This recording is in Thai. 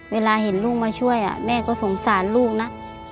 เวลาเห็นลูกมาช่วยแม่ก็สงสารลูกนะ